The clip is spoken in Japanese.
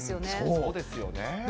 そうですよね。